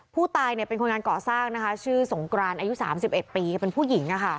ผู้ตายเป็นคนงานก่อสร้างนะคะชื่อสงกรานอายุ๓๑ปีเป็นผู้หญิง